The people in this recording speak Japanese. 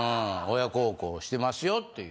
親孝行してますよっていう。